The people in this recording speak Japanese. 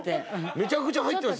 めちゃくちゃ入ってますよ！